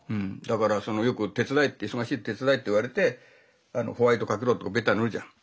だからよく手伝えって「忙しい手伝え」って言われて「ホワイトかけろ」とかベタ塗るじゃん。